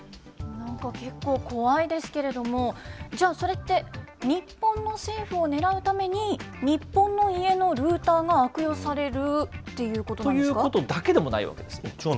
なんか結構、怖いですけれども、じゃあそれって、日本の政府をねらうために、日本の家のルーターが悪用されるということなんということだけでもないわけです。